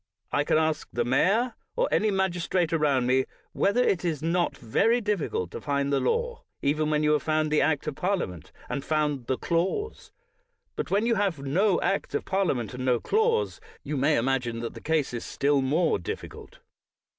I can ask the mayor, or any mag istrate around m.e, whether it is not very diffi cult to find the law, even when you have found the Act of Parliament, and found the clause. But when you have no Act of Parliament, and no clause, you may imagine that the case is still more difficult.